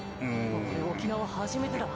俺沖縄初めてだ。